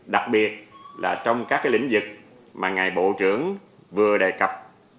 đặc biệt là trong các lĩnh vực mà ngài bộ trưởng vừa đề cập